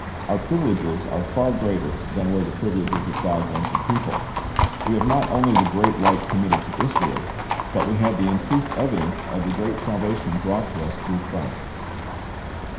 Our privileges are far greater than were the privileges of God's ancient people. We have not onh' the great light committed to Israel, but we have the increased evidence of the great salvation brought to us through Christ.